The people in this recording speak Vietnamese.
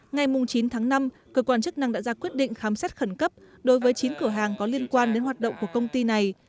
ngày chín tháng năm cơ quan chức năng đã ra quyết định khám xét khẩn cấp đối với chín cửa hàng có liên quan đến hoạt động của công ty này